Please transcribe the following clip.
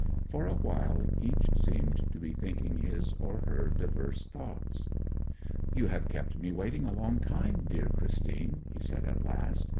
For a while each seemed to be thinking his and her diverse thoughts. 'You have kept me waiting a long time, dear Christine,' he said at last.